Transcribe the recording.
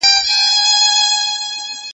تاسې د کارګرانو حقوق مراعات کړئ.